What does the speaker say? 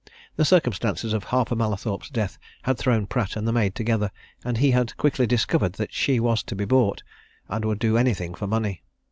The circumstances of Harper Mallathorpe's death had thrown Pratt and the maid together, and he had quickly discovered that she was to be bought, and would do anything for money.